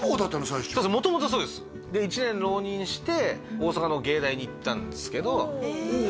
最初元々そうですで１年浪人して大阪の芸大に行ったんですけどへえ